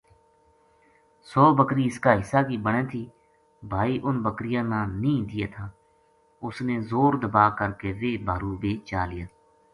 سو بکری اس کا حصا کی بنے تھی بھائی اُنھ بکریاں نا نیہہ دیے تھا اُس نے زور دَبا کر کے ویہ بھارُو بے چا لیا